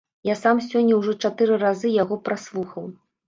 Я сам сёння ўжо чатыры разы яго праслухаў.